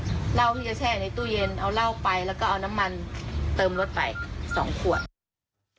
แล้วก็เอาน้ำมันเติมลดไป๒ขวด